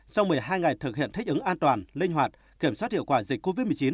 sau một mươi hai ngày thực hiện thích ứng an toàn linh hoạt kiểm soát hiệu quả dịch covid một mươi chín